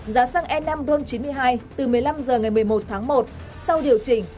giá xăng e năm ron chín mươi hai từ một mươi năm h ngày một mươi một tháng một sau điều chỉnh